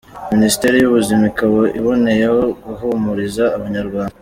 Minisiteri y’Ubuzima ikaba iboneyeho guhumuriza abanyarwanda